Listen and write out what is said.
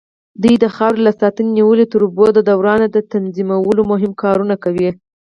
دوی د خاورې له ساتنې نيولې تر د اوبو دوران تنظيمولو مهم کارونه کوي.